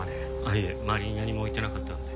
いえ周りに何も置いてなかったので。